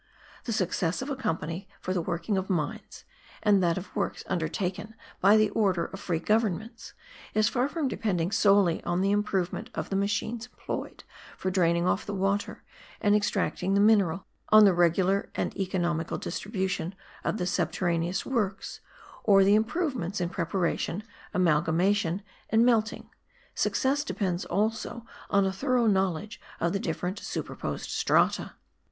The success of a company for the working of mines, and that of works undertaken by the order of free governments, is far from depending solely on the improvement of the machines employed for draining off the water, and extracting the mineral, on the regular and economical distribution of the subterraneous works, or the improvements in preparation, amalgamation, and melting: success depends also on a thorough knowledge of the different superposed strata.